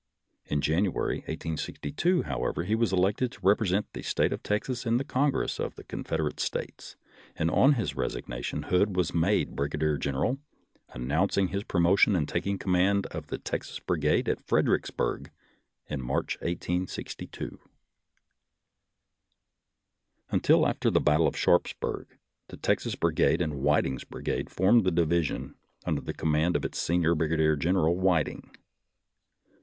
In January, 1862, however, he was elected to rep resent the State of Texas in the Congress of the Confederate States, and on his resignation Hood was made brigadier general, announcing his promotion and taking command of the Texas Brigade at Fredericksburg in March, 1862. Until after the battle of Sharpsburg the Texas Brigade and Whiting's brigade formed a divi sion under the command of its senior brigadier general, Whiting.